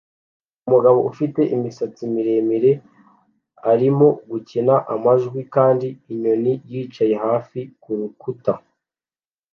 Umugabo ufite imisatsi miremire arimo gukina amajwi kandi inyoni yicaye hafi kurukuta